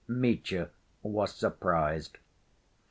Mitya was surprised.